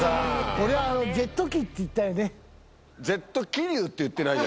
俺ジェット機って言ったよね。